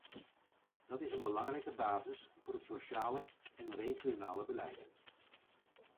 Dat is een belangrijke basis voor het sociale en het regionale beleid.